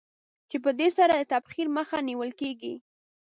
چې په دې سره د تبخیر مخه نېول کېږي.